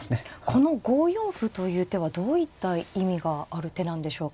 この５四歩という手はどういった意味がある手なんでしょうか。